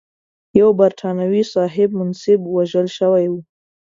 یو برټانوي صاحب منصب وژل شوی و.